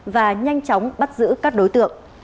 và nhanh chóng bắt giữ các đối tượng